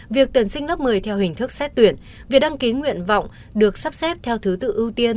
việc tuyển sinh lớp một mươi theo hình thức xét tuyển việc đăng ký nguyện vọng được sắp xếp theo thứ tự ưu tiên